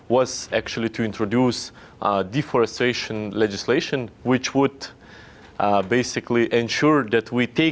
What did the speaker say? yang akan memastikan kita menjaga tanggung jawab konsumsi kita